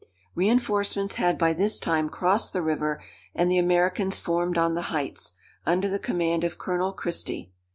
Reinforcements had by this time crossed the river, and the Americans formed on the heights, under the command of Colonel Christie.